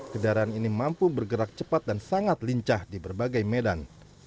kendaraan ini mampu bergerak cepat dan sangat lincah di berbagai medan